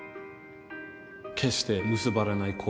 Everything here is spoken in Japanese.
決して結ばれない恋